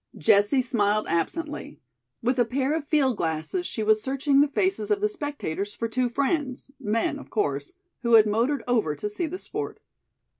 Jessie smiled absently. With a pair of field glasses, she was searching the faces of the spectators for two friends (men, of course), who had motored over to see the sport.